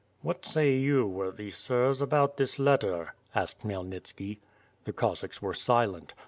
"What say you, worthy sirs, about this letter?" asked Khmyelnitski. The Cossacks were silent.